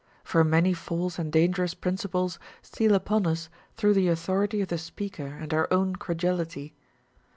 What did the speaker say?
For many false and dangerous prin ciples steal upon us through the authority of the speaker and our own credulity.